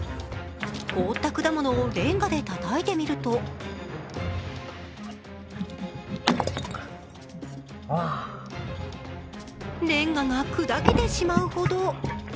凍った果物をレンガでたたいてみるとれんがが砕けてしまうほど。